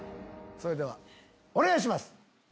それではお願いします！